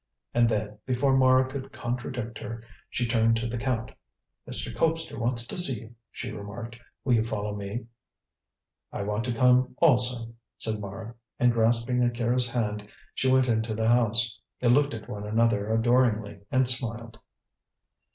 and then, before Mara could contradict her, she turned to the Count. "Mr. Colpster wants to see you," she remarked. "Will you follow me?" "I want to come also," said Mara; and grasping Akira's hand she went into the house. They looked at one another adoringly and smiled.